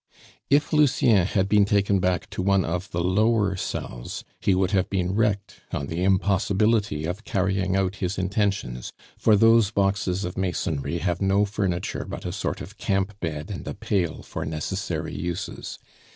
If Lucien had been taken back to one of the lower cells, he would have been wrecked on the impossibility of carrying out his intentions, for those boxes of masonry have no furniture but a sort of camp bed and a pail for necessary uses.